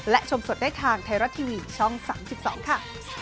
และชมสดได้ทางไทยรัฐทีวีช่อง๓๒ค่ะ